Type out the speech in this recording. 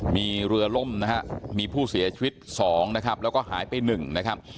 มีเรือล่มนะฮะมีผู้เสียชีวิต๒นะครับแล้วก็หายไป๑นะครับ